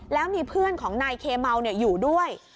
แล้วมีเพื่อนของนายเคเมาอยู่ด้วย